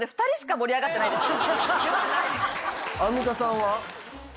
アンミカさんは？